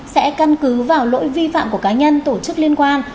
sẽ căn cứ vào lỗi vi phạm của cá nhân tổ chức liên quan